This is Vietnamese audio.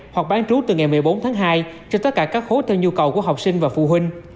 hoặc bán trú từ ngày một mươi bốn tháng hai cho tất cả các khối theo nhu cầu của học sinh và phụ huynh